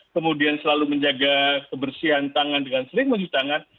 kemudian selalu menjaga kebersihan tangan dengan sering mencuci tangan